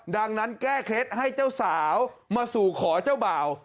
ดังนั้นแก้เคล็ดให้เจ้าสาวมาสู่ขอเจ้าบ่าว